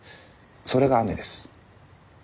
それが雨です。